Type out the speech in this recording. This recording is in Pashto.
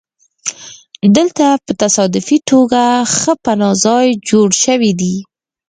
دلته په تصادفي توګه ښه پناه ځای جوړ شوی دی